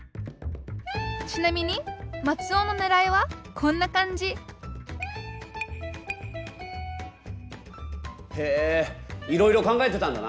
ちなみにマツオのねらいはこんな感じへえいろいろ考えてたんだな。